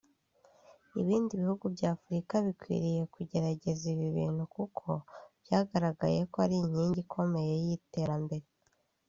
Ibindi bihugu bya Afurika bikwiye kugerageza ibi bintu kuko byagaragaye ko ari inkingi ikomeye y’iterambere